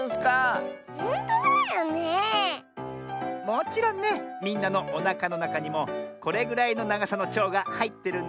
もちろんねみんなのおなかのなかにもこれぐらいのながさのちょうがはいってるんだよ。